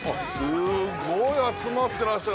すごい集まってらっしゃる。